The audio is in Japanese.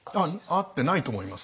会ってないと思います。